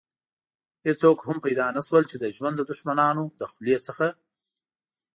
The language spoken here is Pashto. هېڅوک هم پيدا نه شول چې د ژوند د دښمنانو له خولې څخه.